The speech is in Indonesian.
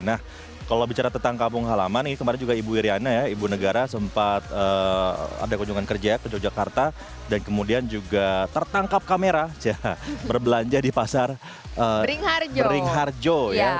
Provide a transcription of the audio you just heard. nah kalau bicara tentang kampung halaman ini kemarin juga ibu iryana ya ibu negara sempat ada kunjungan kerja ke yogyakarta dan kemudian juga tertangkap kamera berbelanja di pasar beringharjo ya